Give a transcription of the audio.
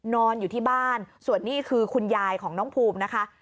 นอนอยู่ที่บ้านส่วนนี้คือคุณยายของน้องภูมินะคะ